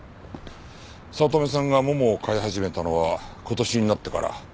早乙女さんがももを飼い始めたのは今年になってから。